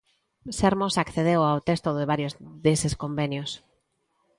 Sermos accedeu ao texto de varios deses convenios.